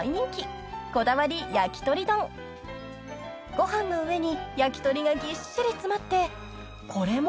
［ご飯の上に焼き鳥がぎっしり詰まってこれも３１４円］